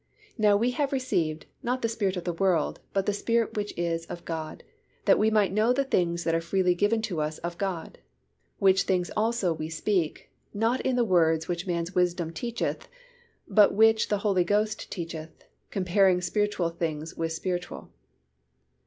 Now we have received, not the spirit of the world, but the spirit which is of God; that we might know the things that are freely given to us of God. Which things also we speak, not in the words which man's wisdom teacheth, but which the Holy Ghost teacheth; comparing spiritual things with spiritual."